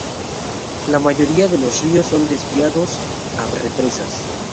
La mayoría de los ríos son desviados a represas.